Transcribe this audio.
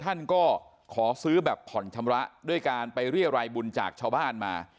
ท่านก็ขอซื้อแบบผ่อนชำระด้วยการไปเรียรายบุญจากชาวบ้านมา